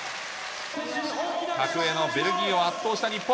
格上のベルギーを圧倒した日本。